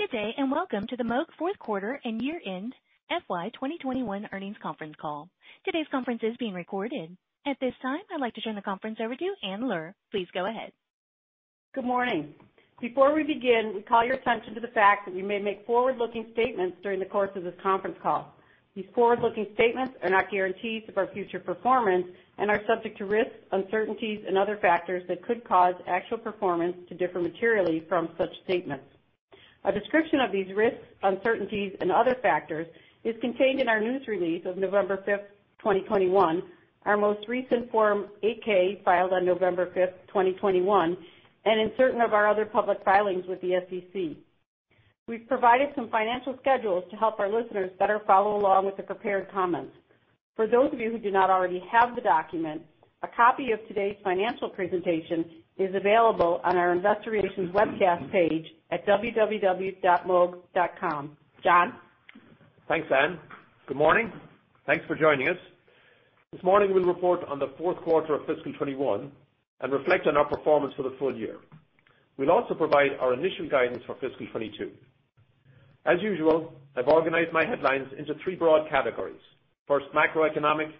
Good day, and welcome to the Moog fourth quarter and year-end FY 2021 earnings conference call. Today's conference is being recorded. At this time, I'd like to turn the conference over to Ann Luhr. Please go ahead. Good morning. Before we begin, we call your attention to the fact that we may make forward-looking statements during the course of this conference call. These forward-looking statements are not guarantees of our future performance and are subject to risks, uncertainties and other factors that could cause actual performance to differ materially from such statements. A description of these risks, uncertainties and other factors is contained in our news release of November 5, 2021, our most recent Form 10-K, filed on November 5th 2021, and in certain of our other public filings with the SEC. We've provided some financial schedules to help our listeners better follow along with the prepared comments. For those of you who do not already have the document, a copy of today's financial presentation is available on our investor relations webcast page at www.moog.com. John? Thanks, Ann. Good morning. Thanks for joining us. This morning we'll report on the fourth quarter of fiscal 2021 and reflect on our performance for the full year. We'll also provide our initial guidance for fiscal 2022. As usual, I've organized my headlines into three broad categories. First, macroeconomic.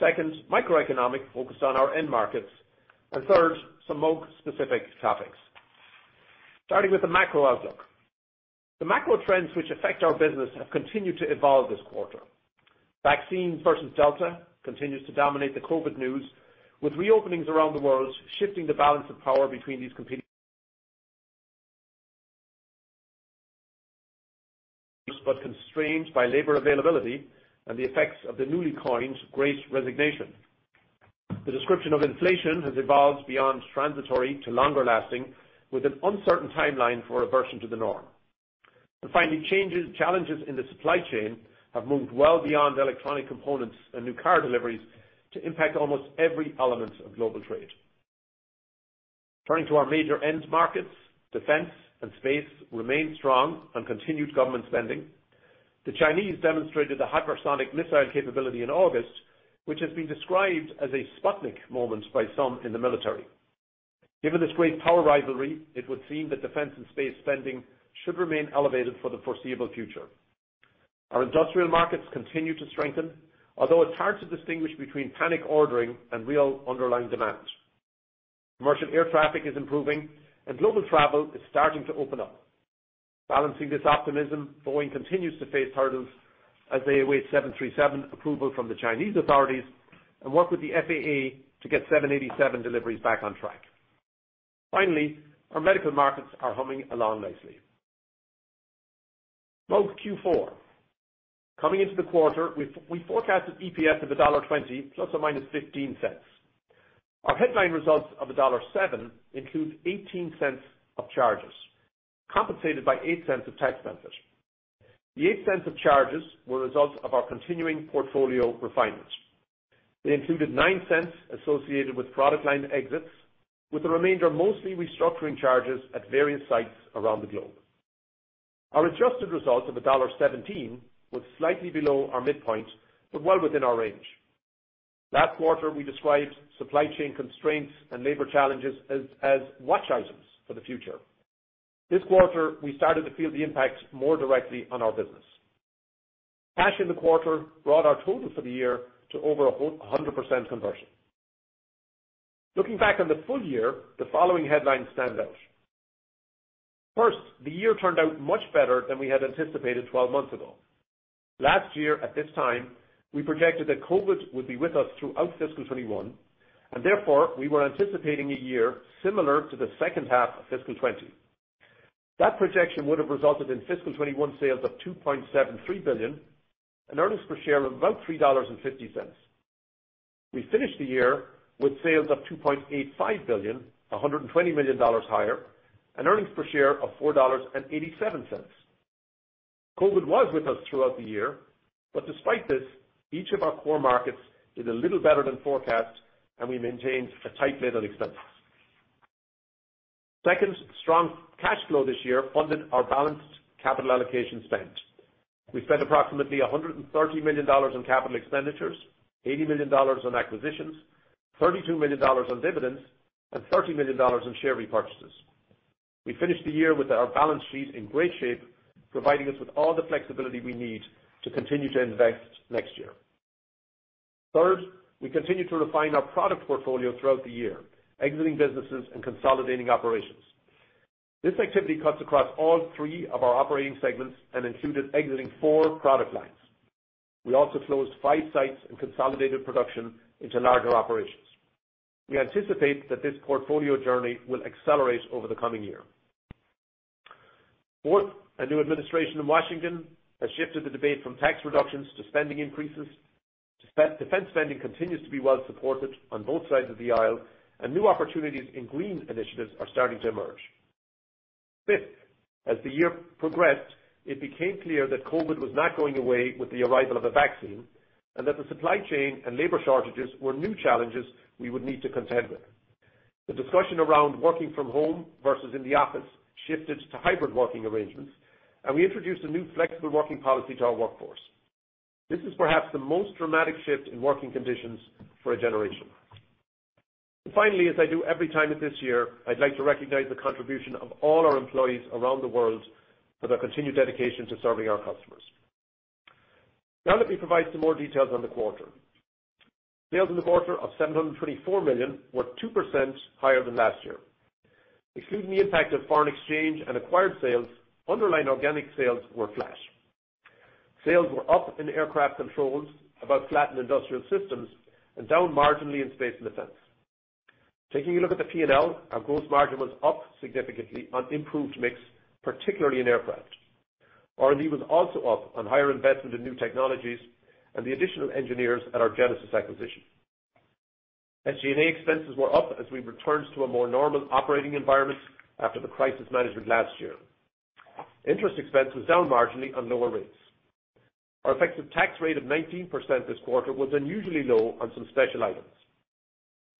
Second, microeconomic, focused on our end markets. Third, some Moog-specific topics. Starting with the macro outlook. The macro trends which affect our business have continued to evolve this quarter. Vaccine versus Delta continues to dominate the COVID news, with reopenings around the world shifting the balance of power between these competing but constrained by labor availability and the effects of the newly coined Great Resignation. The description of inflation has evolved beyond transitory to longer-lasting, with an uncertain timeline for a reversion to the norm. Finally, challenges in the supply chain have moved well beyond electronic components and new car deliveries to impact almost every element of global trade. Turning to our major end markets, defense and space remained strong on continued government spending. The Chinese demonstrated a hypersonic missile capability in August, which has been described as a Sputnik moment by some in the military. Given this great power rivalry, it would seem that defense and space spending should remain elevated for the foreseeable future. Our industrial markets continue to strengthen, although it's hard to distinguish between panic ordering and real underlying demand. Commercial air traffic is improving and global travel is starting to open up. Balancing this optimism, Boeing continues to face hurdles as they await 737 approval from the Chinese authorities and work with the FAA to get 787 deliveries back on track. Finally, our medical markets are humming along nicely. Moog Q4. Coming into the quarter, we forecasted EPS of $1.20 $±0.15. Our headline results of $1.07 include $0.18 of charges, compensated by $0.08 of tax benefit. The $0.08 of charges were a result of our continuing portfolio refinement. They included $0.09 associated with product line exits, with the remainder mostly restructuring charges at various sites around the globe. Our adjusted result of $1.17 was slightly below our midpoint, but well within our range. Last quarter, we described supply chain constraints and labor challenges as watch items for the future. This quarter, we started to feel the impact more directly on our business. Cash in the quarter brought our total for the year to over 100% conversion. Looking back on the full year, the following headlines stand out. First, the year turned out much better than we had anticipated 12 months ago. Last year at this time, we projected that COVID would be with us throughout fiscal 2021, and therefore we were anticipating a year similar to the second half of fiscal 2020. That projection would have resulted in fiscal 2021 sales of $2.73 billion and earnings per share of about $3.50. We finished the year with sales of $2.85 billion, $120 million higher, and earnings per share of $4.87. COVID was with us throughout the year, but despite this, each of our core markets did a little better than forecast, and we maintained a tight lid on expenses. Second, strong cash flow this year funded our balanced capital allocation spend. We spent approximately $130 million on capital expenditures, $80 million on acquisitions, $32 million on dividends, and $30 million on share repurchases. We finished the year with our balance sheet in great shape, providing us with all the flexibility we need to continue to invest next year. Third, we continued to refine our product portfolio throughout the year, exiting businesses and consolidating operations. This activity cuts across all three of our operating segments and included exiting four product lines. We also closed five sites and consolidated production into larger operations. We anticipate that this portfolio journey will accelerate over the coming year. Fourth, a new administration in Washington has shifted the debate from tax reductions to spending increases. Defense spending continues to be well supported on both sides of the aisle, and new opportunities in green initiatives are starting to emerge. Fifth, as the year progressed, it became clear that COVID was not going away with the arrival of a vaccine and that the supply chain and labor shortages were new challenges we would need to contend with. The discussion around working from home versus in the office shifted to hybrid working arrangements, and we introduced a new flexible working policy to our workforce. This is perhaps the most dramatic shift in working conditions for a generation. Finally, as I do every time this year, I'd like to recognize the contribution of all our employees around the world for their continued dedication to serving our customers. Now let me provide some more details on the quarter. Sales in the quarter of $724 million were 2% higher than last year. Excluding the impact of foreign exchange and acquired sales, underlying organic sales were flat. Sales were up in Aircraft Controls, about flat in Industrial Systems, and down marginally in space and defense. Taking a look at the P&L, our gross margin was up significantly on improved mix, particularly in aircraft. R&D was also up on higher investment in new technologies and the addition of engineers at our Genesys acquisition. SG&A expenses were up as we returned to a more normal operating environment after the crisis management last year. Interest expense was down marginally on lower rates. Our effective tax rate of 19% this quarter was unusually low on some special items.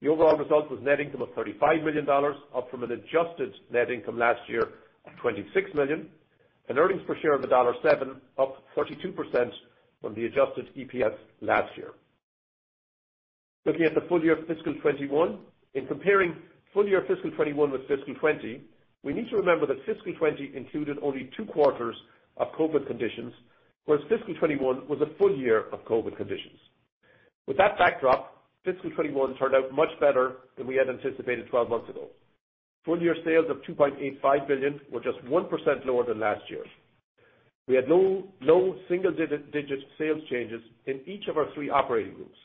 The overall result was net income of $35 million, up from an adjusted net income last year of $26 million, and earnings per share of $1.07, up 32% from the adjusted EPS last year. Looking at the full year of fiscal 2021. In comparing full year fiscal 2021 with fiscal 2020, we need to remember that fiscal 2020 included only two quarters of COVID conditions, whereas fiscal 2021 was a full year of COVID conditions. With that backdrop, fiscal 2021 turned out much better than we had anticipated 12 months ago. Full year sales of $2.85 billion were just 1% lower than last year. We had low single-digit sales changes in each of our three operating groups,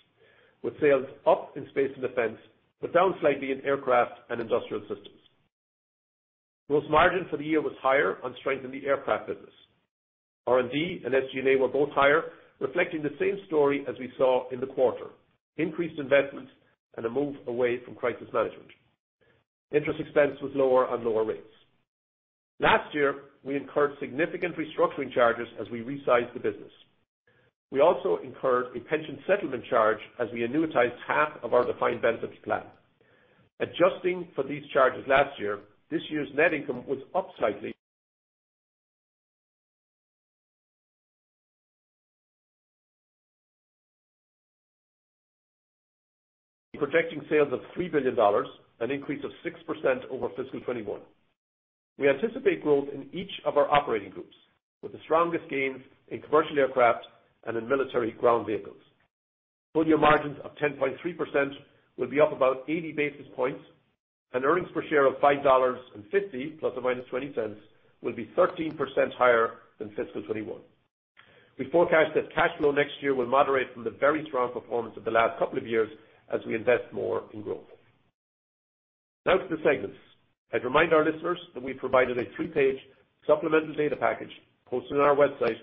with sales up in space and defense, but down slightly in Aircraft and Industrial Systems. Gross margin for the year was higher on strength in the aircraft business. R&D and SG&A were both higher, reflecting the same story as we saw in the quarter: increased investment and a move away from crisis management. Interest expense was lower on lower rates. Last year, we incurred significant restructuring charges as we resized the business. We also incurred a pension settlement charge as we annuitized half of our defined benefit plan. Adjusting for these charges last year, this year's net income was up slightly. Projecting sales of $3 billion, an increase of 6% over fiscal 2021. We anticipate growth in each of our operating groups, with the strongest gains in commercial aircraft and in military ground vehicles. Full-year margins of 10.3% will be up about 80 basis points and earnings per share of $5.50 $±0.20 cents will be 13% higher than fiscal 2021. We forecast that cash flow next year will moderate from the very strong performance of the last couple of years as we invest more in growth. Now to the segments. I'd remind our listeners that we provided a three page supplemental data package posted on our website,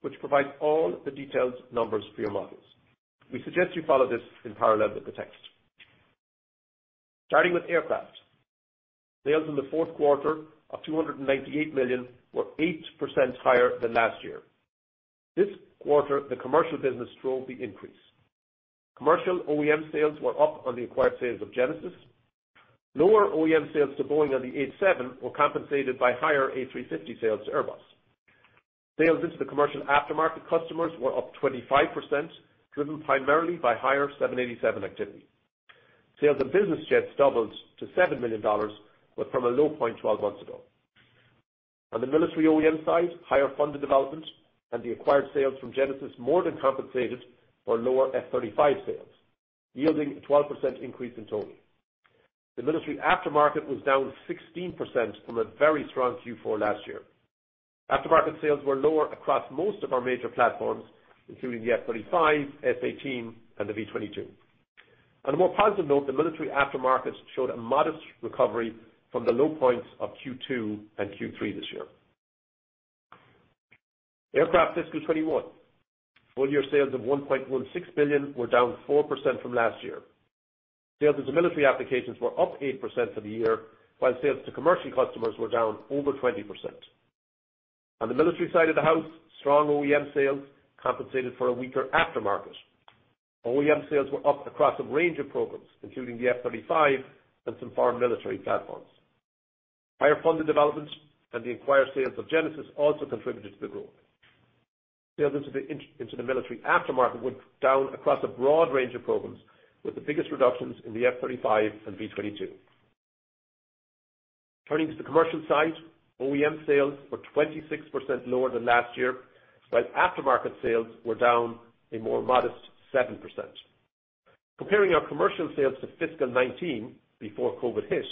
which provides all the detailed numbers for your models. We suggest you follow this in parallel with the text. Starting with aircraft. Sales in the fourth quarter of $298 million were 8% higher than last year. This quarter, the commercial business drove the increase. Commercial OEM sales were up on the acquired sales of Genesys. Lower OEM sales to Boeing on the 87 were compensated by higher A350 sales to Airbus. Sales into the commercial aftermarket customers were up 25%, driven primarily by higher 787 activity. Sales of business jets doubled to $7 million, but from a low point 12 months ago. On the military OEM side, higher funded development and the acquired sales from Genesys more than compensated for lower F-35 sales, yielding a 12% increase in total. The military aftermarket was down 16% from a very strong Q4 last year. Aftermarket sales were lower across most of our major platforms, including the F-35, F-18, and the V-22. On a more positive note, the military aftermarket showed a modest recovery from the low points of Q2 and Q3 this year. Aircraft fiscal 2021. Full year sales of $1.16 billion were down 4% from last year. Sales into military applications were up 8% for the year, while sales to commercial customers were down over 20%. On the military side of the house, strong OEM sales compensated for a weaker aftermarket. OEM sales were up across a range of programs, including the F-35 and some foreign military platforms. Higher funded developments and the acquired sales of Genesys also contributed to the growth. Sales into the military aftermarket were down across a broad range of programs, with the biggest reductions in the F-35 and V-22. Turning to the commercial side, OEM sales were 26% lower than last year, while aftermarket sales were down a more modest 7%. Comparing our commercial sales to fiscal 2019, before COVID hit,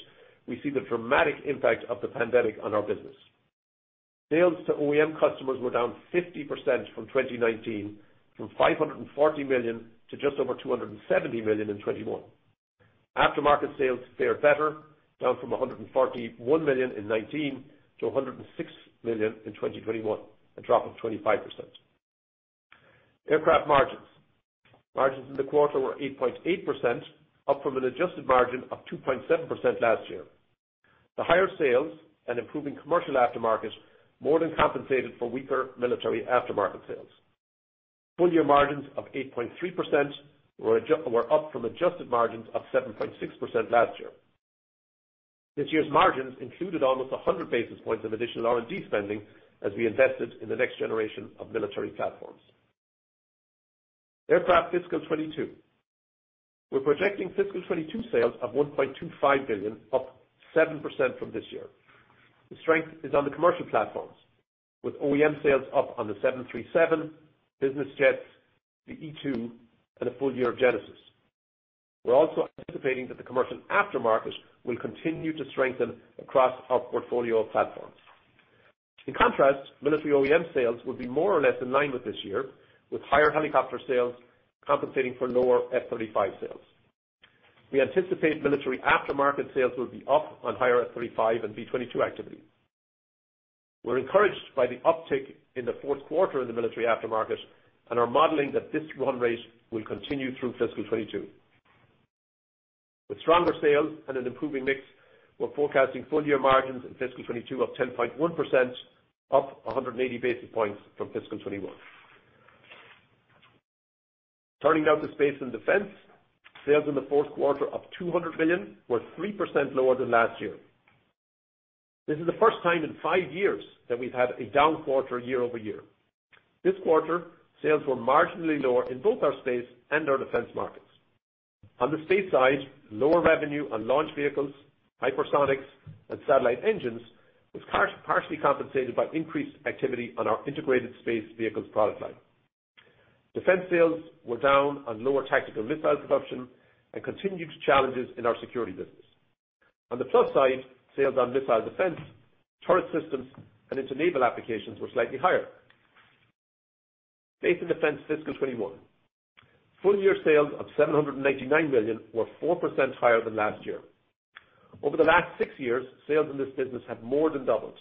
we see the dramatic impact of the pandemic on our business. Sales to OEM customers were down 50% from 2019, from $540 million to just over $270 million in 2021. Aftermarket sales fared better, down from $141 million in 2019 to $106 million in 2021, a drop of 25%. Aircraft margins in the quarter were 8.8%, up from an adjusted margin of 2.7% last year. The higher sales and improving commercial aftermarket more than compensated for weaker military aftermarket sales. Full year margins of 8.3% were up from adjusted margins of 7.6% last year. This year's margins included almost 100 basis points of additional R&D spending as we invested in the next generation of military platforms. Aircraft fiscal 2022, we're projecting fiscal 2022 sales of $1.25 billion, up 7% from this year. The strength is on the commercial platforms, with OEM sales up on the 737, business jets, the E2, and a full year of Genesys. We're also anticipating that the commercial aftermarket will continue to strengthen across our portfolio of platforms. In contrast, military OEM sales will be more or less in line with this year, with higher helicopter sales compensating for lower F-35 sales. We anticipate military aftermarket sales will be up on higher F-35 and V-22 activity. We're encouraged by the uptick in the fourth quarter in the military aftermarket and are modeling that this run rate will continue through fiscal 2022. With stronger sales and an improving mix, we're forecasting full-year margins in fiscal 2022 of 10.1%, up 180 basis points from fiscal 2021. Turning now to space and defense. Sales in the fourth quarter of $200 million were 3% lower than last year. This is the first time in five years that we've had a down quarter year-over-year. This quarter, sales were marginally lower in both our space and our defense markets. On the space side, lower revenue on launch vehicles, hypersonics, and satellite engines was partially compensated by increased activity on our Integrated Space Vehicles product line. Defense sales were down on lower tactical missile production and continued challenges in our security business. On the plus side, sales on missile defense, turret systems, and into naval applications were slightly higher. space and defense, fiscal 2021. Full-year sales of $799 million were 4% higher than last year. Over the last six years, sales in this business have more than doubled.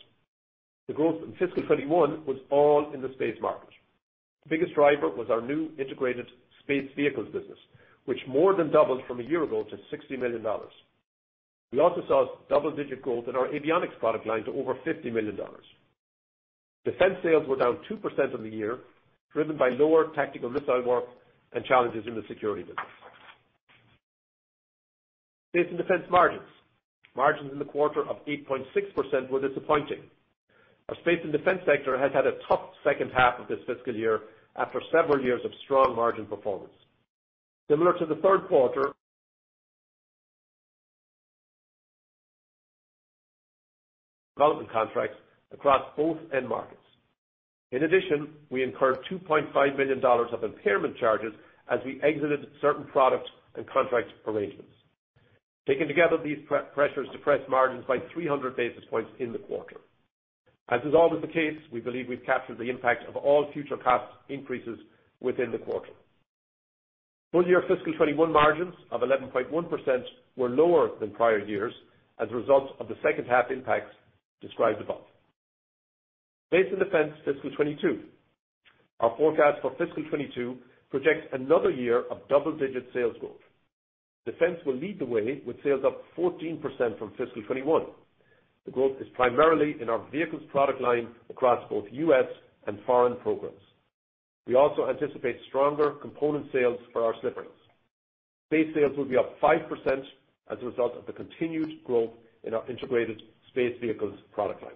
The growth in fiscal 2021 was all in the space market. The biggest driver was our new Integrated Space Vehicles business, which more than doubled from a year ago to $60 million. We also saw double-digit growth in our avionics product line to over $50 million. Defense sales were down 2% on the year, driven by lower tactical missile work and challenges in the security business. space and defense margins. Margins in the quarter of 8.6% were disappointing. Our space and defense sector has had a tough second half of this fiscal year after several years of strong margin performance. Similar to the third quarter, development contracts across both end markets. In addition, we incurred $2.5 million of impairment charges as we exited certain products and contract arrangements. Taken together, these pressures depressed margins by 300 basis points in the quarter. As is always the case, we believe we've captured the impact of all future cost increases within the quarter. Full-year fiscal 2021 margins of 11.1% were lower than prior years as a result of the second-half impacts described above. space and defense, fiscal 2022. Our forecast for fiscal 2022 projects another year of double-digit sales growth. Defense will lead the way with sales up 14% from fiscal 2021. The growth is primarily in our vehicles product line across both U.S. and foreign programs. We also anticipate stronger component sales for our slip rings. Space sales will be up 5% as a result of the continued growth in our Integrated Space Vehicles product line.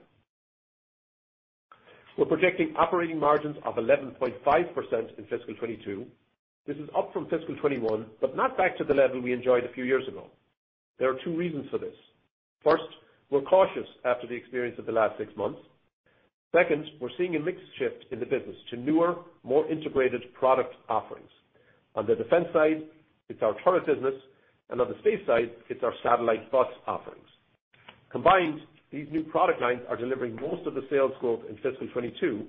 We're projecting operating margins of 11.5% in fiscal 2022. This is up from fiscal 2021, but not back to the level we enjoyed a few years ago. There are two reasons for this. First, we're cautious after the experience of the last six months. Second, we're seeing a mix shift in the business to newer, more integrated product offerings. On the defense side, it's our turret business, and on the space side, it's our satellite bus offerings. Combined, these new product lines are delivering most of the sales growth in fiscal 2022,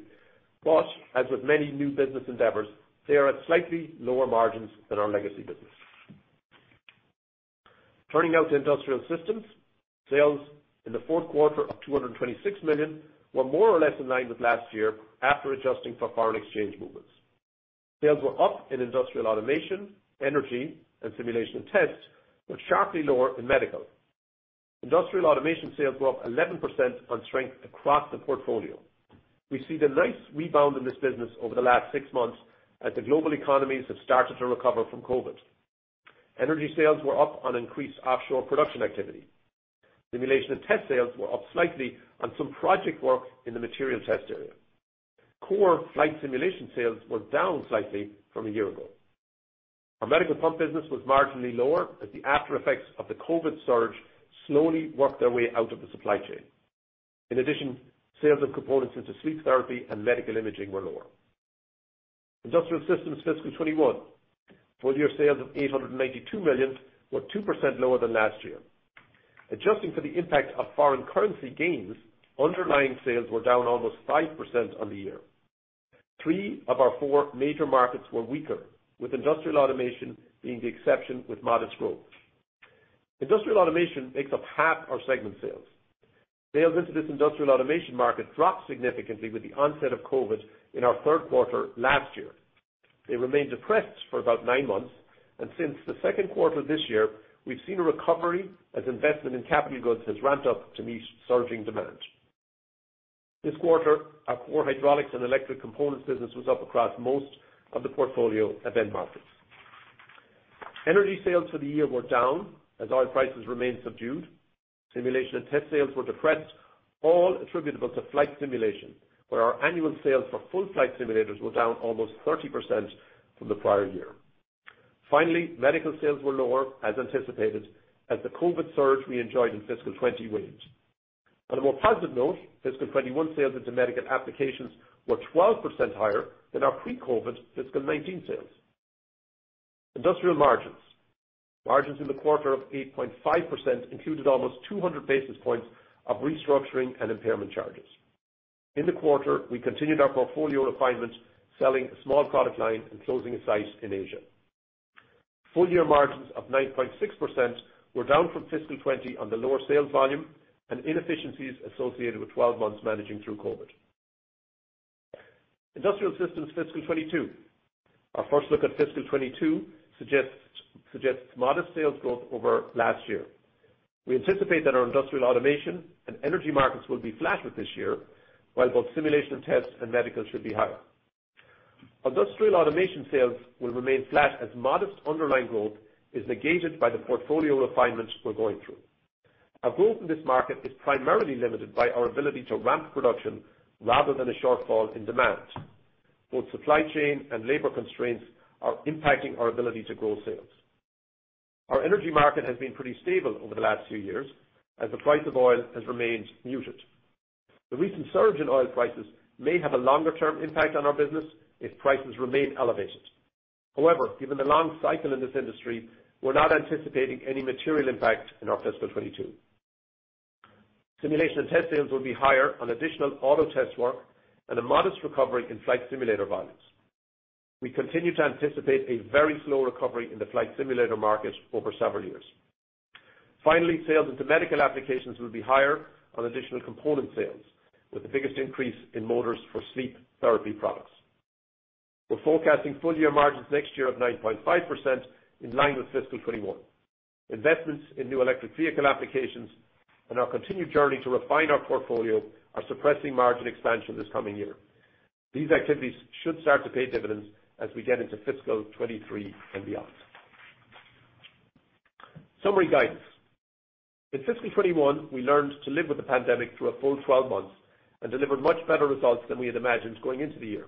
but as with many new business endeavors, they are at slightly lower margins than our legacy business. Turning now to Industrial Systems. Sales in the fourth quarter of $226 million were more or less in line with last year after adjusting for foreign exchange movements. Sales were up in industrial automation, energy, and simulation and test sales were sharply lower in medical. Industrial automation sales were up 11% on strength across the portfolio. We see the nice rebound in this business over the last six months as the global economies have started to recover from COVID. Energy sales were up on increased offshore production activity. Simulation and test sales were up slightly on some project work in the material test area. Core flight simulation sales were down slightly from a year ago. Our medical pump business was marginally lower as the after effects of the COVID surge slowly worked their way out of the supply chain. In addition, sales of components into sleep therapy and medical imaging were lower. Industrial Systems, fiscal 2021. Full-year sales of $892 million were 2% lower than last year. Adjusting for the impact of foreign currency gains, underlying sales were down almost 5% on the year. Three of our four major markets were weaker, with industrial automation being the exception with modest growth. Industrial automation makes up half our segment sales. Sales into this industrial automation market dropped significantly with the onset of COVID in our third quarter last year. They remained depressed for about nine months. Since the second quarter this year, we've seen a recovery as investment in capital goods has ramped up to meet surging demand. This quarter, our core hydraulics and electric components business was up across most of the portfolio of end markets. Energy sales for the year were down as oil prices remained subdued. Simulation and test sales were depressed, all attributable to flight simulation, where our annual sales for full flight simulators were down almost 30% from the prior year. Finally, medical sales were lower as anticipated as the COVID surge we enjoyed in fiscal 2021. On a more positive note, fiscal 2021 sales into medical applications were 12% higher than our pre-COVID fiscal 2019 sales. Industrial margins. Margins in the quarter of 8.5% included almost 200 basis points of restructuring and impairment charges. In the quarter, we continued our portfolio refinement, selling a small product line and closing a site in Asia. Full year margins of 9.6% were down from fiscal 2020 on the lower sales volume and inefficiencies associated with 12 months managing through COVID. Industrial Systems fiscal 2022. Our first look at fiscal 2022 suggests modest sales growth over last year. We anticipate that our industrial automation and energy markets will be flat with this year, while both simulation tests and medical should be higher. Industrial automation sales will remain flat as modest underlying growth is negated by the portfolio refinements we're going through. Our growth in this market is primarily limited by our ability to ramp production rather than a shortfall in demand. Both supply chain and labor constraints are impacting our ability to grow sales. Our energy market has been pretty stable over the last few years as the price of oil has remained muted. The recent surge in oil prices may have a longer-term impact on our business if prices remain elevated. However, given the long cycle in this industry, we're not anticipating any material impact in our fiscal 2022. Simulation and test sales will be higher on additional auto test work and a modest recovery in flight simulator volumes. We continue to anticipate a very slow recovery in the flight simulator market over several years. Finally, sales into medical applications will be higher on additional component sales, with the biggest increase in motors for sleep therapy products. We're forecasting full year margins next year of 9.5% in line with fiscal 2021. Investments in new electric vehicle applications and our continued journey to refine our portfolio are suppressing margin expansion this coming year. These activities should start to pay dividends as we get into fiscal 2023 and beyond. Summary guidance. In fiscal 2021, we learned to live with the pandemic through a full 12 months and delivered much better results than we had imagined going into the year.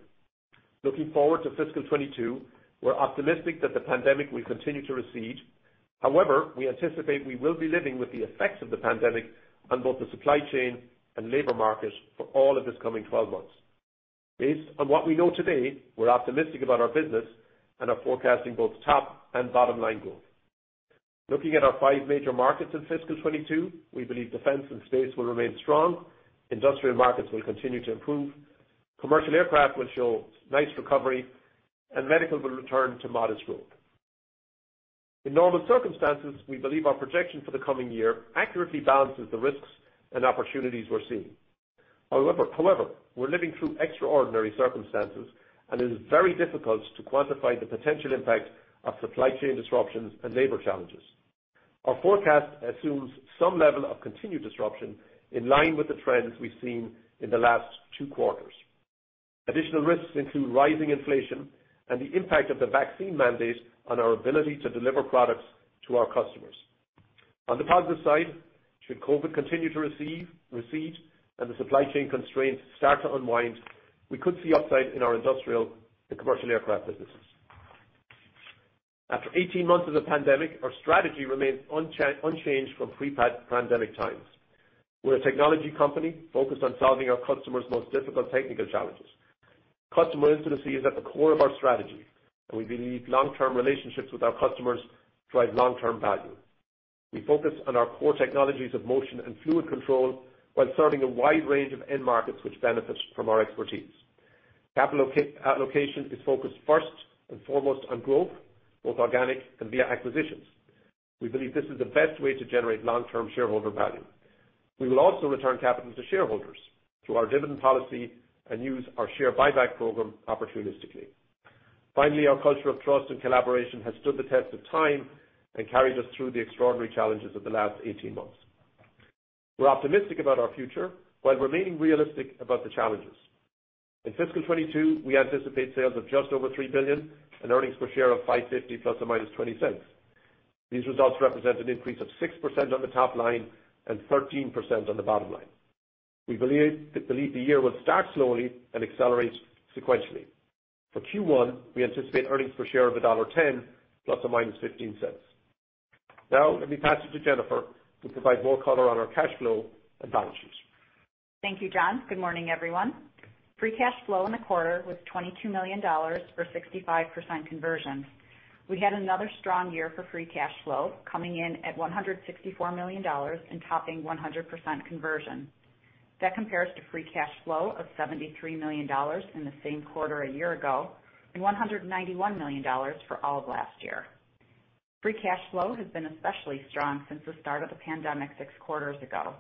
Looking forward to fiscal 2022, we're optimistic that the pandemic will continue to recede. However, we anticipate we will be living with the effects of the pandemic on both the supply chain and labor market for all of this coming 12 months. Based on what we know today, we're optimistic about our business and are forecasting both top and bottom line growth. Looking at our five major markets in fiscal 2022, we believe defense and space will remain strong, industrial markets will continue to improve, commercial aircraft will show nice recovery, and medical will return to modest growth. In normal circumstances, we believe our projection for the coming year accurately balances the risks and opportunities we're seeing. However, we're living through extraordinary circumstances, and it is very difficult to quantify the potential impact of supply chain disruptions and labor challenges. Our forecast assumes some level of continued disruption in line with the trends we've seen in the last two quarters. Additional risks include rising inflation and the impact of the vaccine mandate on our ability to deliver products to our customers. On the positive side, should COVID continue to recede, and the supply chain constraints start to unwind, we could see upside in our industrial and commercial aircraft businesses. After 18 months of the pandemic, our strategy remains unchanged from pre-pandemic times. We're a technology company focused on solving our customers' most difficult technical challenges. Customer intimacy is at the core of our strategy, and we believe long-term relationships with our customers drive long-term value. We focus on our core technologies of motion and fluid control while serving a wide range of end markets which benefit from our expertise. Capital allocation is focused first and foremost on growth, both organic and via acquisitions. We believe this is the best way to generate long-term shareholder value. We will also return capital to shareholders through our dividend policy and use our share buyback program opportunistically. Finally, our culture of trust and collaboration has stood the test of time and carried us through the extraordinary challenges of the last 18 months. We're optimistic about our future while remaining realistic about the challenges. In fiscal 2022, we anticipate sales of just over $3 billion and earnings per share of $5.50 $± 0.20. These results represent an increase of 6% on the top line and 13% on the bottom line. We believe the year will start slowly and accelerate sequentially. For Q1, we anticipate earnings per share of $1.10 $± 0.15. Now let me pass it to Jennifer to provide more color on our cash flow and balances. Thank you, John. Good morning, everyone. Free cash flow in the quarter was $22 million for 65% conversion. We had another strong year for free cash flow coming in at $164 million and topping 100% conversion. That compares to free cash flow of $73 million in the same quarter a year ago, and $191 million for all of last year. Free cash flow has been especially strong since the start of the pandemic six quarters ago.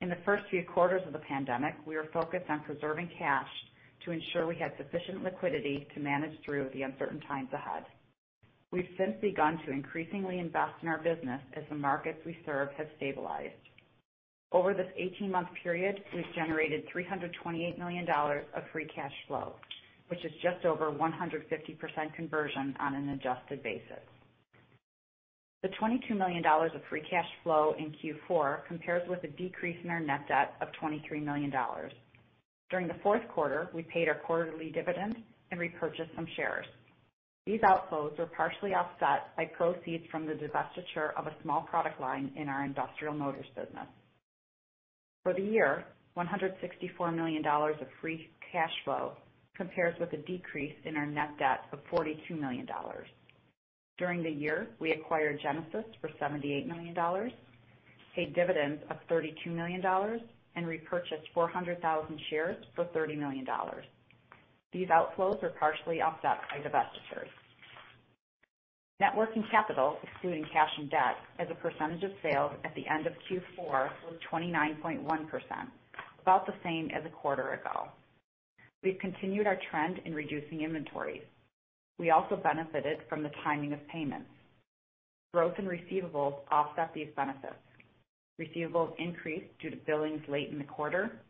In the first few quarters of the pandemic, we were focused on preserving cash to ensure we had sufficient liquidity to manage through the uncertain times ahead. We've since begun to increasingly invest in our business as the markets we serve have stabilized. Over this 18-month period, we've generated $328 million of free cash flow, which is just over 150% conversion on an adjusted basis. The $22 million of free cash flow in Q4 compares with a decrease in our net debt of $23 million. During the fourth quarter, we paid our quarterly dividend and repurchased some shares. These outflows were partially offset by proceeds from the divestiture of a small product line in our industrial motors business. For the year, $164 million of free cash flow compares with a decrease in our net debt of $42 million. During the year, we acquired Genesys for $78 million, paid dividends of $32 million, and repurchased 400,000 shares for $30 million. These outflows were partially offset by divestitures. Net working capital, excluding cash and debt as a percentage of sales at the end of Q4 was 29.1%, about the same as a quarter ago. We've continued our trend in reducing inventories. We also benefited from the timing of payments. Growth in receivables offset these benefits. Receivables increased due to billings late in the quarter,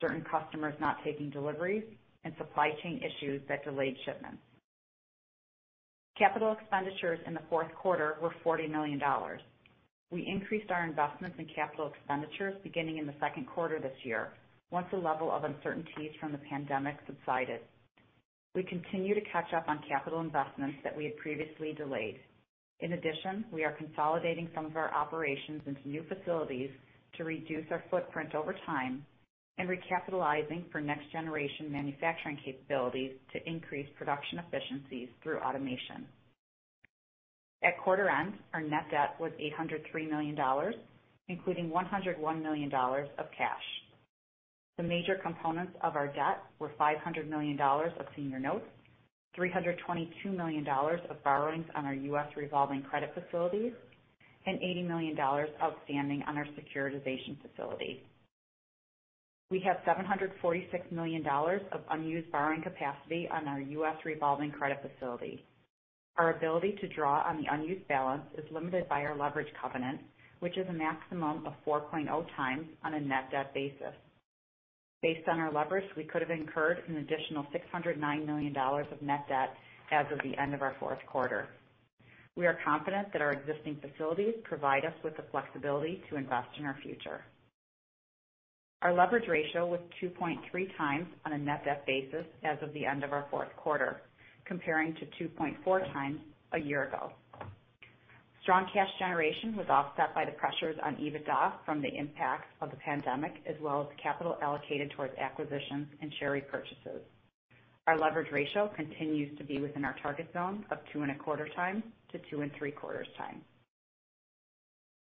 certain customers not taking deliveries, and supply chain issues that delayed shipments. Capital expenditures in the fourth quarter were $40 million. We increased our investments in capital expenditures beginning in the second quarter this year, once the level of uncertainties from the pandemic subsided. We continue to catch up on capital investments that we had previously delayed. In addition, we are consolidating some of our operations into new facilities to reduce our footprint over time and recapitalizing for next generation manufacturing capabilities to increase production efficiencies through automation. At quarter end, our net debt was $803 million, including $101 million of cash. The major components of our debt were $500 million of senior notes, $322 million of borrowings on our U.S. revolving credit facilities, and $80 million outstanding on our securitization facility. We have $746 million of unused borrowing capacity on our U.S. revolving credit facility. Our ability to draw on the unused balance is limited by our leverage covenant, which is a maximum of 4.0x on a net debt basis. Based on our leverage, we could have incurred an additional $609 million of net debt as of the end of our fourth quarter. We are confident that our existing facilities provide us with the flexibility to invest in our future. Our leverage ratio was 2.3x on a net debt basis as of the end of our fourth quarter, compared to 2.4x a year ago. Strong cash generation was offset by the pressures on EBITDA from the impacts of the pandemic, as well as capital allocated towards acquisitions and share repurchases. Our leverage ratio continues to be within our target zone of 2.25x to 2.75x.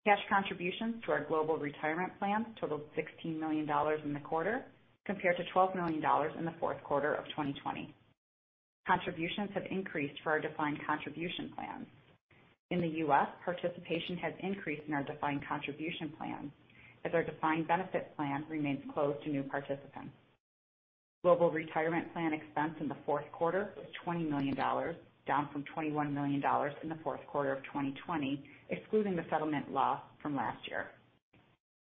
Cash contributions to our global retirement plan totaled $16 million in the quarter, compared to $12 million in the fourth quarter of 2020. Contributions have increased for our defined contribution plans. In the U.S., participation has increased in our defined contribution plan, as our defined benefit plan remains closed to new participants. Global retirement plan expense in the fourth quarter was $20 million, down from $21 million in the fourth quarter of 2020, excluding the settlement loss from last year.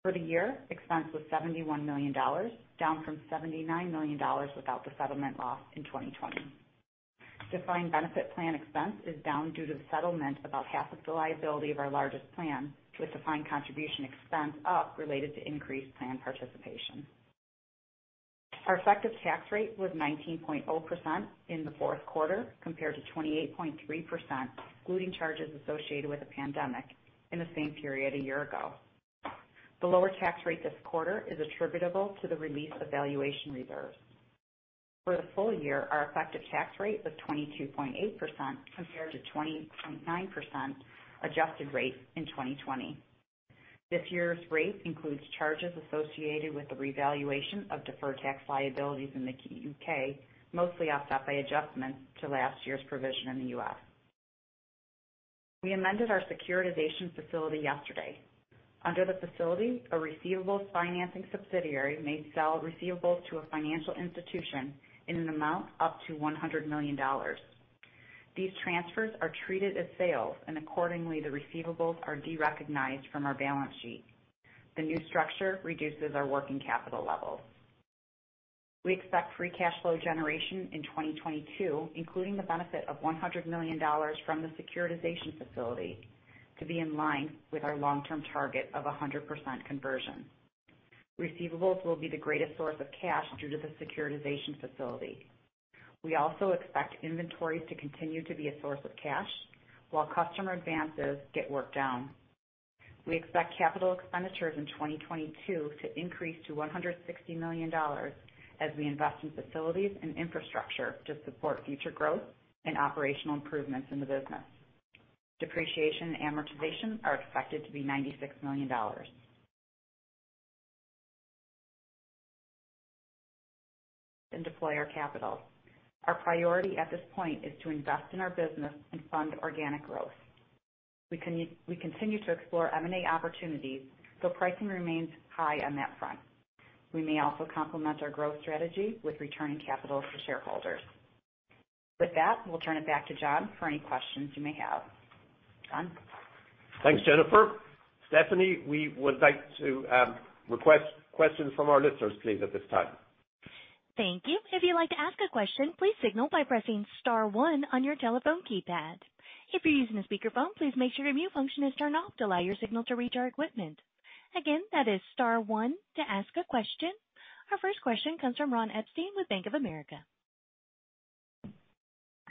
For the year, expense was $71 million, down from $79 million without the settlement loss in 2020. Defined benefit plan expense is down due to the settlement, about half of the liability of our largest plan, with defined contribution expense up related to increased plan participation. Our effective tax rate was 19.0% in the fourth quarter, compared to 28.3%, excluding charges associated with the pandemic in the same period a year ago. The lower tax rate this quarter is attributable to the release of valuation allowance. For the full year, our effective tax rate was 22.8% compared to 20.9% adjusted rate in 2020. This year's rate includes charges associated with the revaluation of deferred tax liabilities in the U.K., mostly offset by adjustments to last year's provision in the U.S. We amended our securitization facility yesterday. Under the facility, a receivables financing subsidiary may sell receivables to a financial institution in an amount up to $100 million. These transfers are treated as sales, and accordingly, the receivables are derecognized from our balance sheet. The new structure reduces our working capital levels. We expect free cash flow generation in 2022, including the benefit of $100 million from the securitization facility to be in line with our long-term target of 100% conversion. Receivables will be the greatest source of cash due to the securitization facility. We also expect inventories to continue to be a source of cash while customer advances get worked down. We expect capital expenditures in 2022 to increase to $160 million as we invest in facilities and infrastructure to support future growth and operational improvements in the business. Depreciation and amortization are expected to be $96 million. Deploy our capital, our priority at this point is to invest in our business and fund organic growth. We continue to explore M&A opportunities, though pricing remains high on that front. We may also complement our growth strategy with returning capital to shareholders. With that, we'll turn it back to John for any questions you may have. John? Thanks, Jennifer. Stephanie, we would like to request questions from our listeners please at this time. Thank you. If you'd like to ask a question, please signal by pressing star one on your telephone keypad. If you're using a speakerphone, please make sure your mute function is turned off to allow your signal to reach our equipment. Again, that is star one to ask a question. Our first question comes from Ron Epstein with Bank of America.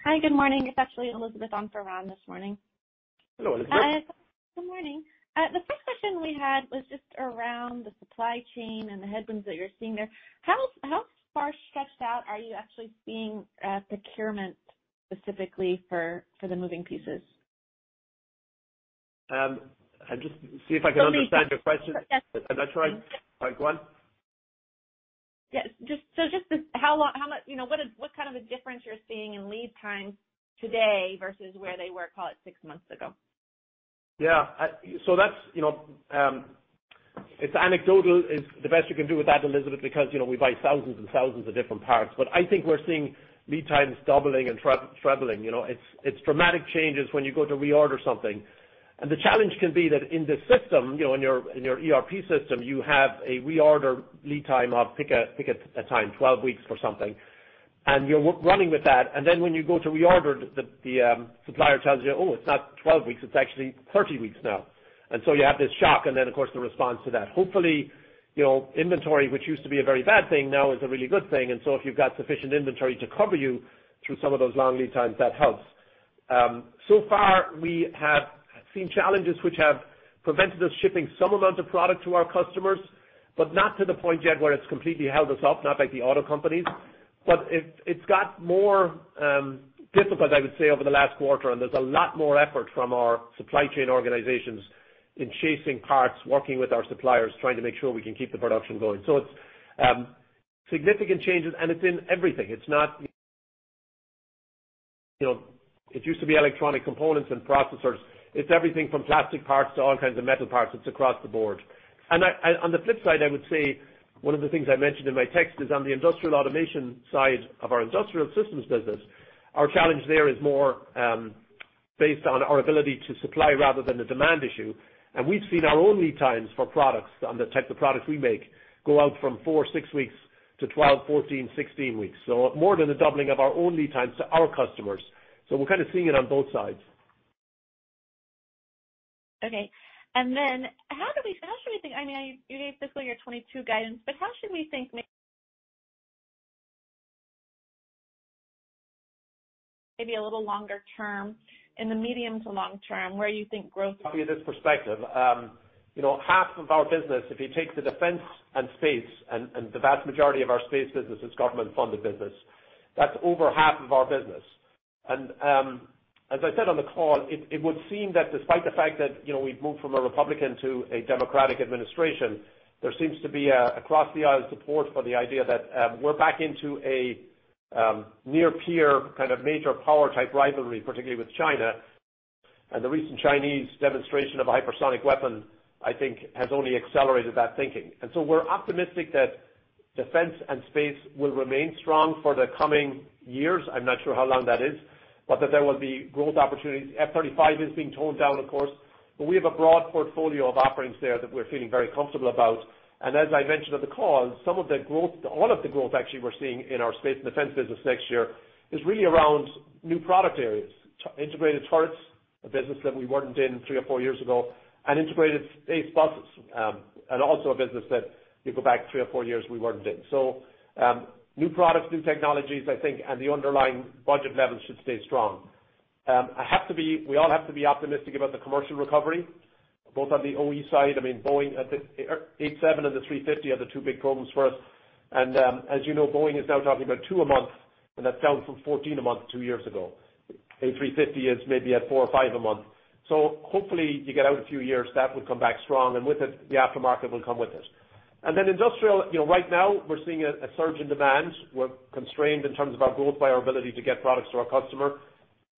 Hi, good morning. It's actually Elizabeth on for Ron this morning. Hello, Elizabeth. Good morning. The first question we had was just around the supply chain and the headwinds that you're seeing there. How far stretched out are you actually seeing procurement specifically for the moving pieces? I just see if I can understand your question. Is that right? Go on. Yes. Just how long, how much. You know, what kind of a difference you're seeing in lead times today versus where they were, call it, six months ago. That's, you know, it's anecdotal, is the best you can do with that, Elizabeth, because, you know, we buy thousands and thousands of different parts. But I think we're seeing lead times doubling and trebling. You know, it's dramatic changes when you go to reorder something. The challenge can be that in the system, you know, in your ERP system, you have a reorder lead time of pick a time, 12 weeks for something, and you're running with that. Then when you go to reorder the supplier tells you, "Oh, it's not 12 weeks, it's actually 30 weeks now." You have this shock, and then of course, the response to that. Hopefully, you know, inventory, which used to be a very bad thing, now is a really good thing. If you've got sufficient inventory to cover you through some of those long lead times, that helps. So far we have seen challenges which have prevented us shipping some amount of product to our customers, but not to the point yet where it's completely held us up, not like the auto companies. It, it's got more difficult, I would say, over the last quarter, and there's a lot more effort from our supply chain organizations in chasing parts, working with our suppliers, trying to make sure we can keep the production going. It's significant changes and it's in everything. It's not, you know. It used to be electronic components and processors. It's everything from plastic parts to all kinds of metal parts. It's across the board. On the flip side, I would say one of the things I mentioned in my text is on the industrial automation side of our Industrial Systems business, our challenge there is more based on our ability to supply rather than the demand issue. We've seen our own lead times for products on the type of products we make go out from four, six weeks to 12, 14, 16 weeks. More than a doubling of our own lead times to our customers. We're kind of seeing it on both sides. Okay. How should we think? I mean, you gave fiscal year 2022 guidance, but how should we think maybe a little longer term, in the medium to long term, where you think growth Give you this perspective. You know, half of our business, if you take the defense and space and the vast majority of our Space business is government-funded business. That's over half of our business. As I said on the call, it would seem that despite the fact that, you know, we've moved from a Republican to a Democratic administration, there seems to be across-the-aisle support for the idea that we're back into a near-peer kind of major power type rivalry, particularly with China. The recent Chinese demonstration of a hypersonic weapon, I think has only accelerated that thinking. We're optimistic that defense and space will remain strong for the coming years. I'm not sure how long that is, but that there will be growth opportunities. F-35 is being toned down, of course, but we have a broad portfolio of offerings there that we're feeling very comfortable about. As I mentioned on the call, some of the growth, all of the growth actually we're seeing in our space and defense business next year is really around new product areas. Integrated turrets, a business that we weren't in three or four years ago, and integrated space buses, and also a business that you go back three or four years we weren't in. New products, new technologies, I think, and the underlying budget levels should stay strong. We all have to be optimistic about the commercial recovery, both on the OEM side. I mean, Boeing 787 and the A350 are the two big programs for us. As you know, Boeing is now talking about two a month, and that's down from 14 a month, two years ago. A350 is maybe at four or five a month. Hopefully you get out a few years, that would come back strong and with it, the aftermarket will come with it. Then industrial, you know, right now we're seeing a surge in demand. We're constrained in terms of our growth, by our ability to get products to our customer.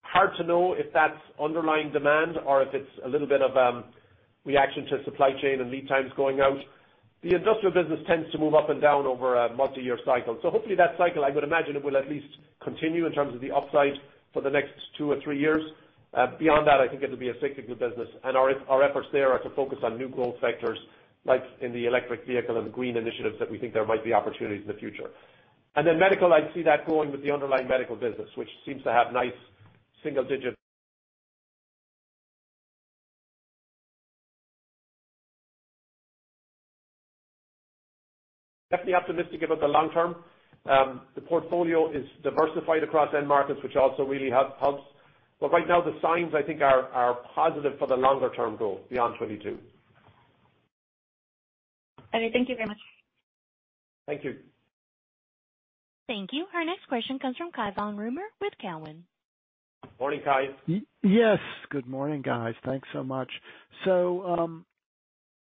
Hard to know if that's underlying demand or if it's a little bit of reaction to supply chain and lead times going out. The industrial business tends to move up and down over a multi-year cycle. Hopefully that cycle, I would imagine it will at least continue in terms of the upside for the next two or three years. Beyond that, I think it'll be a cyclical business and our efforts there are to focus on new growth sectors like in the electric vehicle and green initiatives that we think there might be opportunities in the future. Medical, I see that going with the underlying medical business. Definitely optimistic about the long term. The portfolio is diversified across end markets, which also really helps. Right now the signs I think are positive for the longer term growth beyond 2022. Okay, thank you very much. Thank you. Thank you. Our next question comes from Cai von Rumohr with Cowen. Morning, Cai. Yes. Good morning, guys. Thanks so much.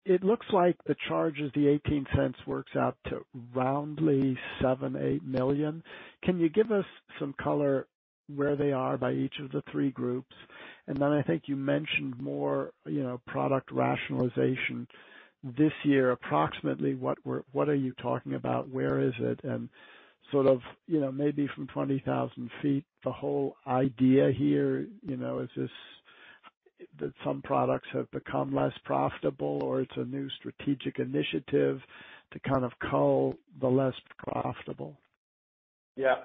It looks like the charge of the $0.18 works out to roundly $7 million-$8 million. Can you give us some color where they are by each of the three groups? Then I think you mentioned more, you know, product rationalization this year. Approximately, what are you talking about? Where is it? And sort of, you know, maybe from 20,000 ft, the whole idea here, you know, is this that some products have become less profitable or it's a new strategic initiative to kind of cull the less profitable? Yeah.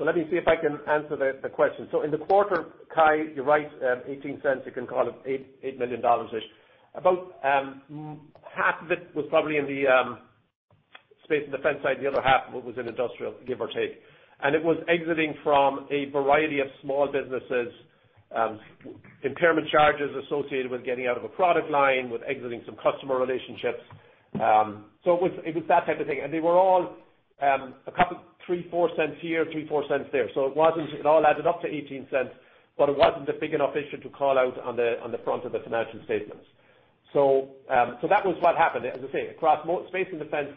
Let me see if I can answer the question. In the quarter, Cai, you're right, $0.18, you can call it $8 million-ish. About half of it was probably in the space and defense side, the other half was in Industrial, give or take. It was exiting from a variety of small businesses, impairment charges associated with getting out of a product line, with exiting some customer relationships. It was that type of thing. They were all a couple, $0.03, $0.04 here, $0.03, $0.04 there. It all added up to $0.18, but it wasn't a big enough issue to call out on the front of the financial statements. That was what happened. As I say, across space and defense,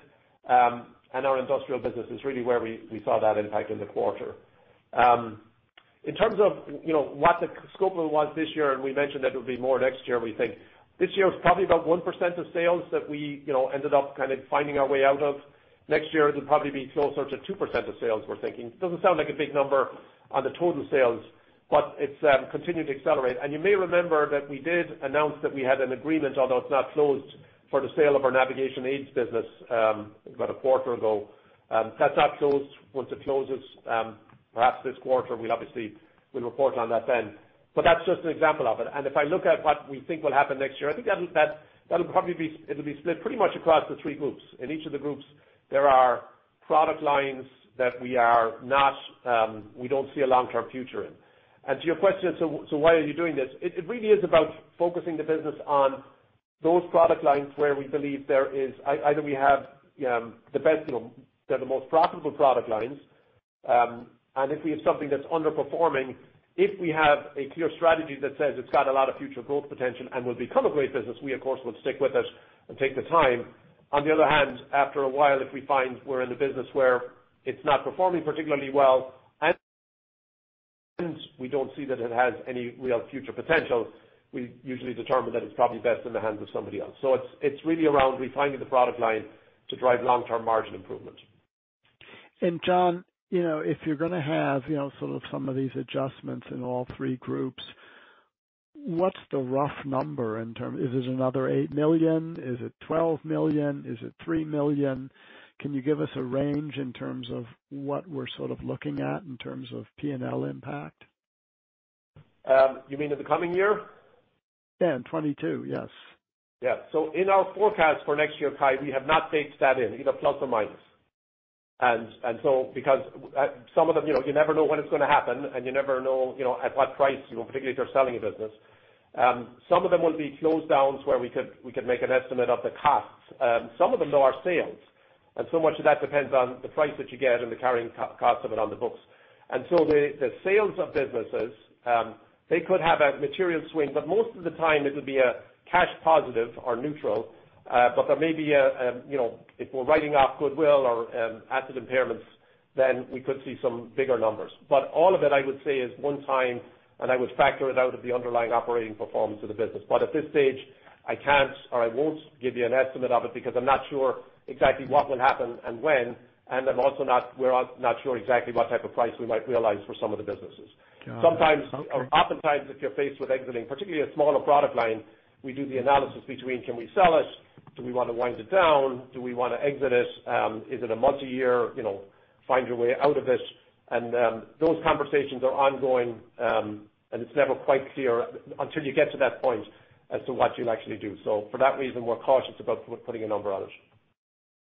and our Industrial business is really where we saw that impact in the quarter. In terms of, you know, what the scope was this year, and we mentioned that it would be more next year, we think. This year it's probably about 1% of sales that we, you know, ended up kind of finding our way out of. Next year, it'll probably be closer to 2% of sales, we're thinking. Doesn't sound like a big number on the total sales, but it's continued to accelerate. You may remember that we did announce that we had an agreement, although it's not closed, for the sale of our Navigation Aids business, about a quarter ago. That's not closed. Once it closes, perhaps this quarter, we'll report on that then. That's just an example of it. If I look at what we think will happen next year, I think that'll probably be split pretty much across the three groups. In each of the groups, there are product lines that we don't see a long-term future in. To your question, so why are you doing this? It really is about focusing the business on those product lines where we believe there is either we have the best or the most profitable product lines. If we have something that's underperforming, if we have a clear strategy that says it's got a lot of future growth potential and will become a great business, we of course would stick with it and take the time. On the other hand, after a while, if we find we're in the business where it's not performing particularly well, and we don't see that it has any real future potential, we usually determine that it's probably best in the hands of somebody else. It's really around refining the product line to drive long-term margin improvement. John, you know, if you're gonna have, you know, sort of some of these adjustments in all three groups, what's the rough number in terms? Is it another $8 million? Is it $12 million? Is it $3 million? Can you give us a range in terms of what we're sort of looking at in terms of P&L impact? You mean in the coming year? Yeah, in 2022, yes. Yeah. In our forecast for next year, Cai, we have not baked that in, either plus or minus. Because some of them, you know, you never know when it's gonna happen, and you never know, you know, at what price, you know, particularly if you're selling a business. Some of them will be close downs where we could make an estimate of the costs. Some of them, though, are sales. So much of that depends on the price that you get and the carrying cost of it on the books. The sales of businesses, they could have a material swing, but most of the time, it'll be a cash positive or neutral. There may be a you know, if we're writing off goodwill or asset impairments, then we could see some bigger numbers. All of it, I would say, is one time, and I would factor it out of the underlying operating performance of the business. At this stage, I can't or I won't give you an estimate of it because I'm not sure exactly what will happen and when, and we're also not sure exactly what type of price we might realize for some of the businesses. Got it. Okay. Sometimes or oftentimes, if you're faced with exiting, particularly a smaller product line, we do the analysis between can we sell it? Do we want to wind it down? Do we want to exit it? Is it a month, a year? You know, find your way out of it. Those conversations are ongoing, and it's never quite clear until you get to that point as to what you'll actually do. For that reason, we're cautious about putting a number on it.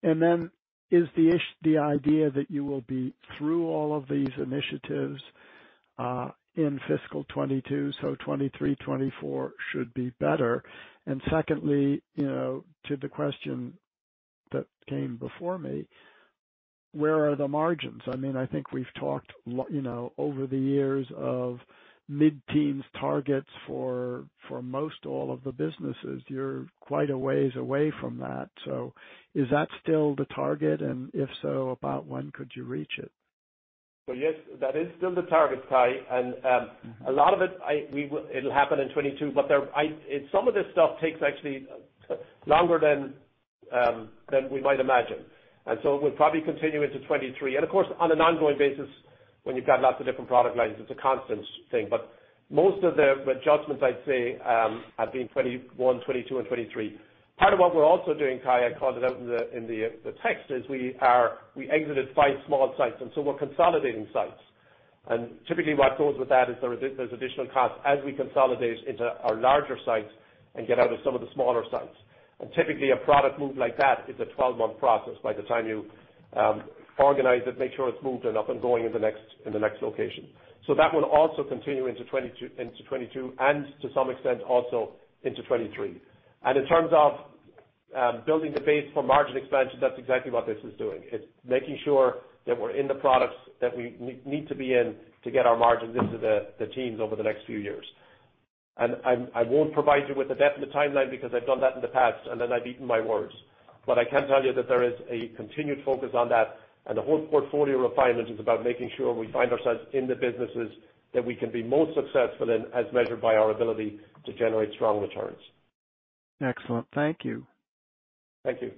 Then, is the idea that you will be through all of these initiatives in fiscal 2022, so 2023, 2024 should be better. Secondly, you know, to the question that came before me, where are the margins? I mean, I think we've talked you know, over the years of mid-teens targets for most all of the businesses. You're quite a ways away from that. Is that still the target? If so, about when could you reach it? Yes, that is still the target, Cai. A lot of it'll happen in 2022, but some of this stuff takes actually longer than we might imagine. It will probably continue into 2023. Of course, on an ongoing basis, when you've got lots of different product lines, it's a constant thing. Most of the adjustments, I'd say, have been 2021, 2022 and 2023. Part of what we're also doing, Cai, I called it out in the text, is we exited five small sites, and we're consolidating sites. Typically, what goes with that is there's additional costs as we consolidate into our larger sites and get out of some of the smaller sites. Typically, a product move like that is a 12 month process by the time you organize it, make sure it's moved and up and going in the next location. That will also continue into 2022 and to some extent, also into 2023. In terms of building the base for margin expansion, that's exactly what this is doing. It's making sure that we're in the products that we need to be in to get our margins into the teens over the next few years. I won't provide you with a definite timeline because I've done that in the past, and then I've eaten my words. I can tell you that there is a continued focus on that, and the whole portfolio refinement is about making sure we find ourselves in the businesses that we can be most successful in as measured by our ability to generate strong returns. Excellent. Thank you. Thank you.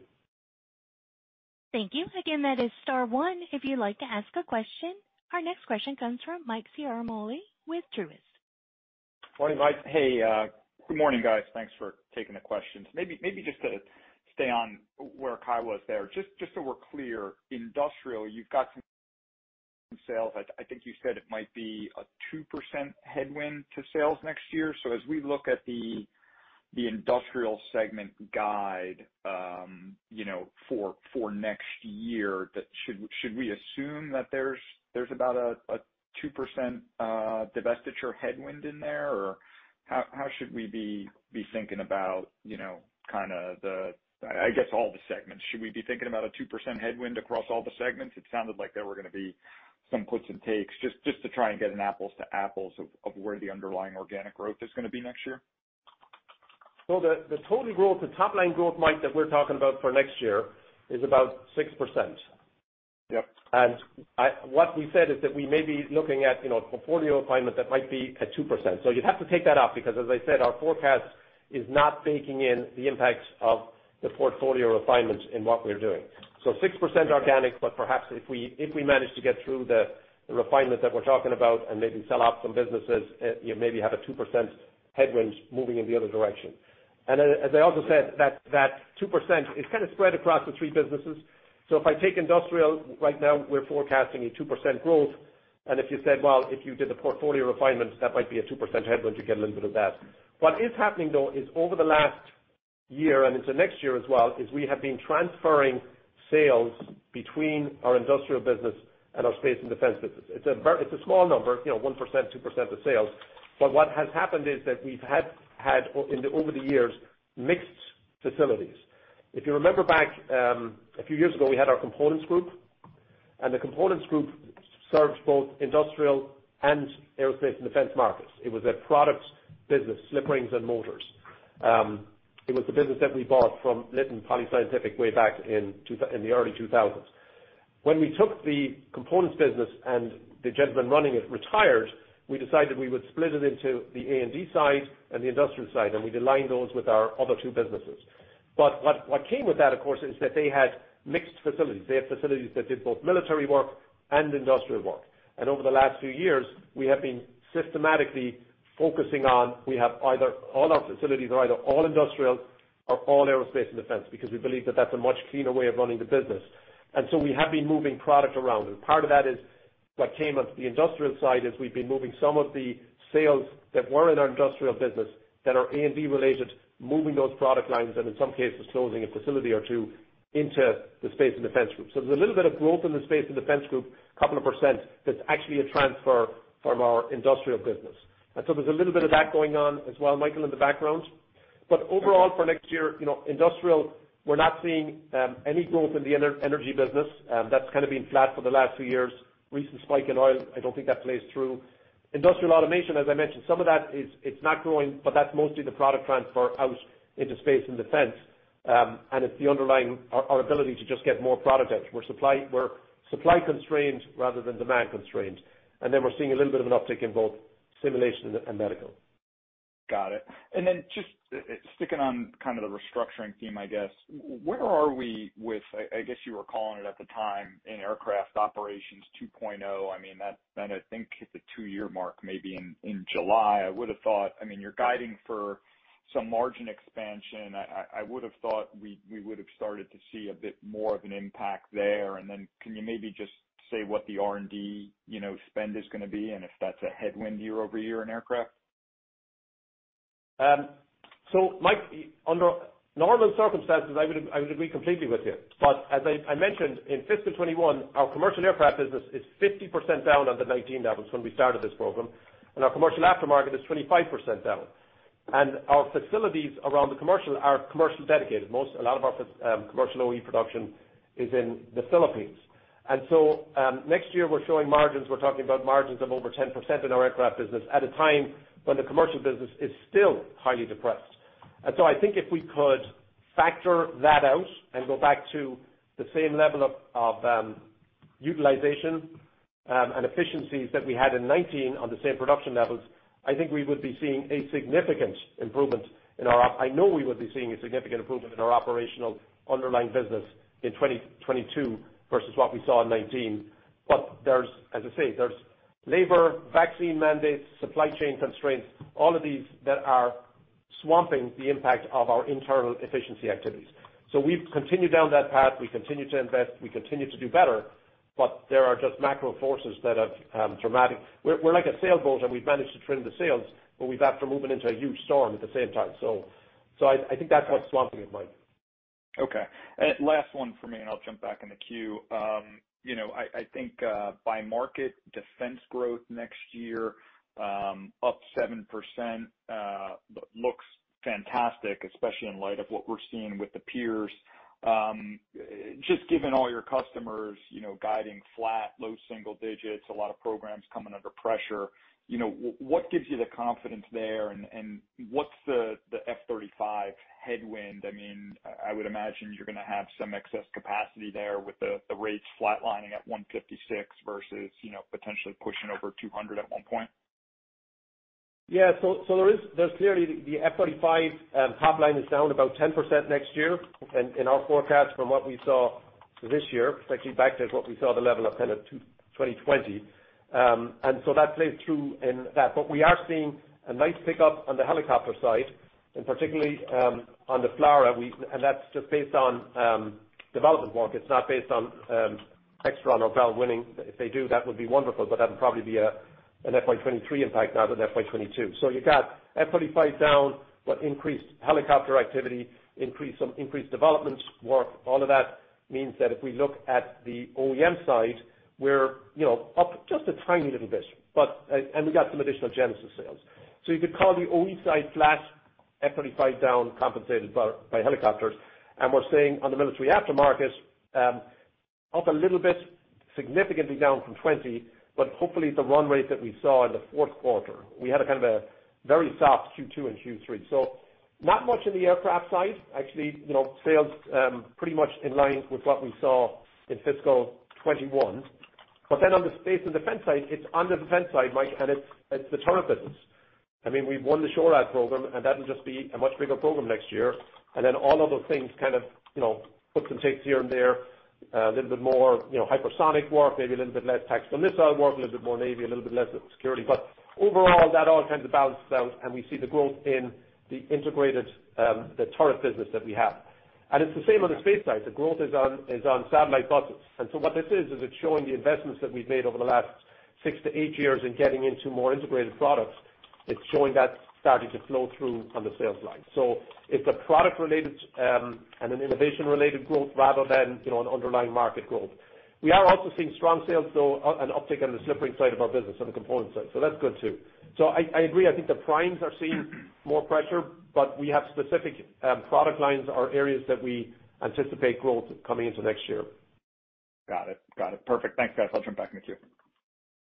Thank you. Again, that is star one if you'd like to ask a question. Our next question comes from Mike Ciarmoli with Truist. Morning, Mike. Hey, good morning, guys. Thanks for taking the questions. Maybe just to stay on where Cai was there. Just so we're clear, industrial, you've got some sales. I think you said it might be a 2% headwind to sales next year. As we look at the industrial segment guide, you know, for next year, should we assume that there's about a 2% divestiture headwind in there? Or how should we be thinking about, you know, kinda the I guess all the segments. Should we be thinking about a 2% headwind across all the segments? It sounded like there were gonna be some puts and takes. Just to try and get an apples to apples of where the underlying organic growth is gonna be next year. The total growth, the top line growth, Mike, that we're talking about for next year is about 6%. Yep. What we said is that we may be looking at, you know, a portfolio adjustment that might be at 2%. You'd have to take that out, because as I said, our forecast is not baking in the impact of the portfolio refinements in what we're doing. 6% organic, but perhaps if we manage to get through the refinement that we're talking about and maybe sell off some businesses, you maybe have a 2% headwind moving in the other direction. As I also said, that 2% is kind of spread across the three businesses. If I take Industrial right now, we're forecasting a 2% growth. If you said, well, if you did the portfolio refinement, that might be a 2% headwind, you get a little bit of that. What is happening, though, is over the last year, and into next year as well, is we have been transferring sales between our Industrial business and our space and defense business. It's a small number, you know, 1%, 2% of sales. But what has happened is that we've had over the years, mixed facilities. If you remember back a few years ago, we had our components group, and the components group served both industrial and Aerospace & Defense markets. It was a products business, slip rings and motors. It was the business that we bought from Litton Poly-Scientific way back in the early 2000s. When we took the components business and the gentleman running it retired, we decided we would split it into the A&D side and the industrial side, and we'd align those with our other two businesses. What came with that, of course, is that they had mixed facilities. They had facilities that did both military work and industrial work. Over the last few years, we have been systematically focusing on, we have either all our facilities are either all industrial or all Aerospace & Defense, because we believe that that's a much cleaner way of running the business. We have been moving product around. Part of that is what came of the industrial side, is we've been moving some of the sales that were in our industrial business that are A&D related, moving those product lines, and in some cases, closing a facility or two into the space and defense group. There's a little bit of growth in the space and defense group, a couple of percent, that's actually a transfer from our industrial business. There's a little bit of that going on as well, Michael, in the background. Overall, for next year, you know, industrial, we're not seeing any growth in the energy business. That's kinda been flat for the last few years. Recent spike in oil, I don't think that plays through. Industrial automation, as I mentioned, some of that is not growing, but that's mostly the product transfer out into space and defense. It's underlying our ability to just get more product out. We're supply constrained rather than demand constrained. We're seeing a little bit of an uptick in both simulation and medical. Got it. Just sticking on kind of the restructuring theme, I guess. Where are we with, I guess you were calling it at the time, in Aircraft Operations 2.0? I mean, that kind of thing hit the two year mark maybe in July. I would've thought, I mean, you're guiding for some margin expansion. I would have thought we would have started to see a bit more of an impact there. Can you maybe just say what the R&D, you know, spend is gonna be and if that's a headwind year-over-year in aircraft? Mike, under normal circumstances, I would agree completely with you. As I mentioned, in fiscal 2021, our commercial aircraft business is 50% down on the 2019 levels when we started this program. Our commercial aftermarket is 25% down. Our facilities around the commercial are commercial dedicated. A lot of our commercial OE production is in the Philippines. Next year we're showing margins. We're talking about margins of over 10% in our aircraft business at a time when the commercial business is still highly depressed. I think if we could factor that out and go back to the same level of utilization and efficiencies that we had in 2019 on the same production levels, I know we would be seeing a significant improvement in our operational underlying business in 2022 versus what we saw in 2019. But there's, as I say, labor, vaccine mandates, supply chain constraints, all of these that are swamping the impact of our internal efficiency activities. We've continued down that path. We continue to invest, we continue to do better, but there are just macro forces that have dramatic. We're like a sailboat and we've managed to trim the sails, but we've, after moving into a huge storm, at the same time. I think that's what's swamping it, Mike. Okay. Last one for me, and I'll jump back in the queue. You know, I think by market, defense growth next year up 7%, looks fantastic, especially in light of what we're seeing with the peers. Just given all your customers, you know, guiding flat, low single-digits, a lot of programs coming under pressure, you know, what gives you the confidence there and what's the F-35 headwind? I mean, I would imagine you're gonna have some excess capacity there with the rates flatlining at 156 versus potentially pushing over 200 at one point. There's clearly the F-35, top line is down about 10% next year in our forecast from what we saw this year. It's actually back to what we saw, the level of kind of 2020. That played through in that. We are seeing a nice pickup on the helicopter side and particularly on the FLRAA, and that's just based on development work. It's not based on FLRAA or Bell winning. If they do, that would be wonderful, but that would probably be an FY 2023 impact, not FY 2022. You've got F-35 down with increased helicopter activity, increased development work. All of that means that if we look at the OEM side, we're, you know, up just a tiny little bit. We got some additional Genesys sales. You could call the OE side flat, F-35 down compensated by helicopters. We're seeing on the military aftermarket up a little bit, significantly down from 20, but hopefully the run rate that we saw in the fourth quarter. We had a kind of a very soft Q2 and Q3. Not much in the aircraft side, actually, you know, sales pretty much in line with what we saw in fiscal 2021. On the space and defense side, it's on the defense side, Mike, and it's the turret business. I mean, we've won the SHORAD program, and that'll just be a much bigger program next year. All of those things kind of, you know, put some takes here and there, a little bit more, you know, hypersonic work, maybe a little bit less tactical missile work, a little bit more Navy, a little bit less security. Overall, that all tends to balance out, and we see the growth in the integrated turret business that we have. It's the same on the space side. The growth is on satellite buses. What this is, it's showing the investments that we've made over the last six to eight years in getting into more integrated products. It's showing that starting to flow through on the sales line. It's a product-related and an innovation-related growth rather than, you know, an underlying market growth. We are also seeing strong sales, so an uptick on the slip ring side of our business, on the component side. That's good, too. I agree, I think the primes are seeing more pressure, but we have specific product lines or areas that we anticipate growth coming into next year. Got it. Perfect. Thanks, guys. I'll jump back in the queue.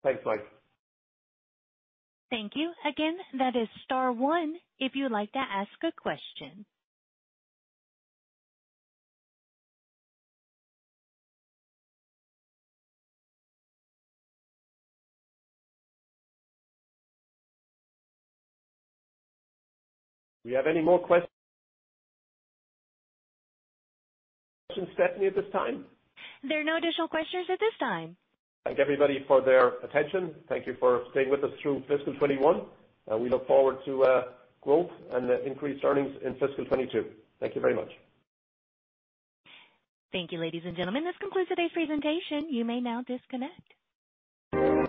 Thanks, Mike. Thank you. Again, that is star one if you'd like to ask a question. Do we have any more questions, Stephanie, at this time? There are no additional questions at this time. Thank everybody for their attention. Thank you for staying with us through fiscal 2021. We look forward to growth and increased earnings in fiscal 2022. Thank you very much. Thank you, ladies and gentlemen. This concludes today's presentation. You may now disconnect.